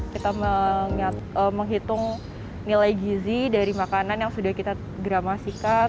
kita menghitung nilai gizi dari makanan yang sudah kita gramasikan